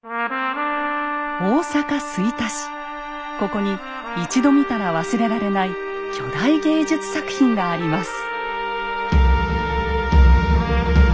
ここに一度見たら忘れられない巨大芸術作品があります。